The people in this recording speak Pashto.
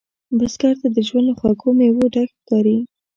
بزګر ته ژوند له خوږو میوو ډک ښکاري